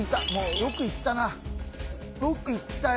よく行ったよ！